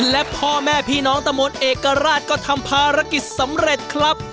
และพ่อแม่พี่น้องตะมนต์เอกราชก็ทำภารกิจสำเร็จครับ